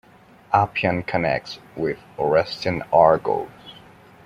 Appian connects it with Orestian Argos.